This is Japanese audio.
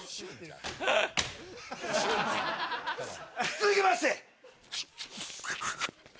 続きまして！